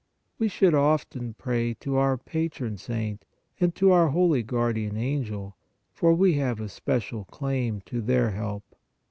We should often pray to our Patron Saint and to our holy Guardian Angel, for we have a special claim to their help.